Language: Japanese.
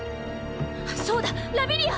そうだラビリア！